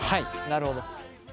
なるほど。